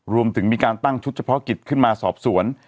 รวมถึงมีการตั้งชุดเฉพาะกิจขึ้นมาสอบสวน